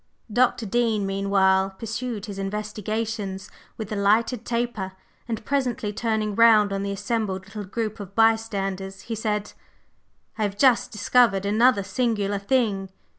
Dr. Dean meanwhile pursued his investigations with the lighted taper, and presently, turning round on the assembled little group of bystanders, he said: "I have just discovered another singular thing.